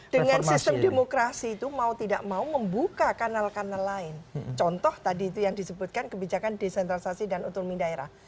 dengan sistem demokrasi itu mau tidak mau membuka kanal kanal lain contoh tadi itu yang disebutkan kebijakan desentralisasi dan otonomi daerah